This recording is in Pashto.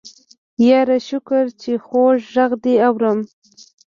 يره شکر چې خوږ غږ دې اورم.